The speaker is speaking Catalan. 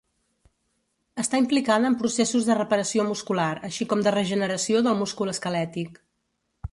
Està implicada en processos de reparació muscular així com de regeneració del múscul esquelètic.